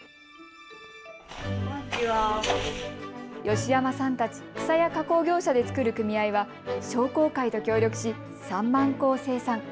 吉山さんたち、くさや加工業者で作る組合は商工会と協力し３万個を生産。